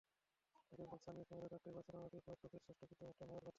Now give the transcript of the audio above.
আগামীকাল স্থানীয় সময় রাত আটটায় বার্সেলোনাতেই প্রয়াত কোচের শেষকৃত্যানুষ্ঠান হওয়ার কথা।